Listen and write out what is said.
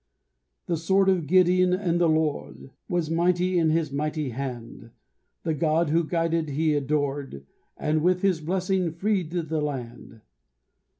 "The sword of Gideon and the Lord" Was mighty in his mighty hand The God who guided he adored, And with his blessing freed the land.